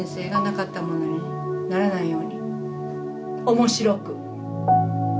面白く！